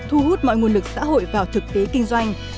thu hút mọi nguồn lực xã hội vào thực tế kinh doanh